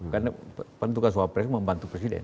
karena pentukan suapres membantu presiden